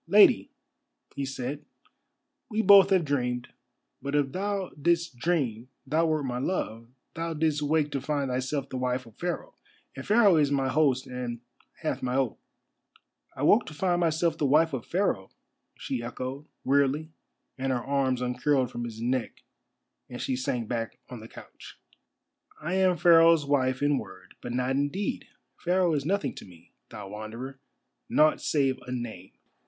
"Lady," he said, "we both have dreamed. But if thou didst dream thou wert my love, thou didst wake to find thyself the wife of Pharaoh. And Pharaoh is my host and hath my oath." "I woke to find myself the wife of Pharaoh," she echoed, wearily, and her arms uncurled from his neck and she sank back on the couch. "I am Pharaoh's wife in word, but not in deed. Pharaoh is nothing to me, thou Wanderer—nought save a name."